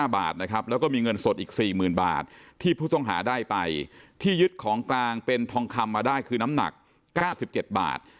บาทนะครับแล้วก็มีเงินสดอีก๔๐๐๐บาทที่ผู้ต้องหาได้ไปที่ยึดของกลางเป็นทองคำมาได้คือน้ำหนัก๙๗บาท